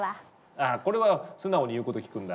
あこれは素直に言うこと聞くんだ。